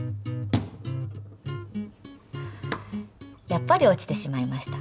やっぱり落ちてしまいました。